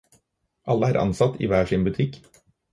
Alle er ansatt i hver sin butikk.